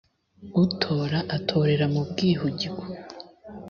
utora atorera mu bwihugiko